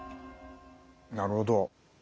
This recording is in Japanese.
なるほど。